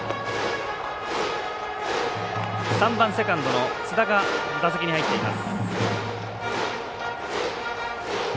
３番、セカンドの津田が打席に入っています。